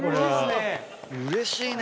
うれしいね。